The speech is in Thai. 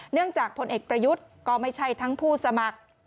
จากผลเอกประยุทธ์ก็ไม่ใช่ทั้งผู้สมัคร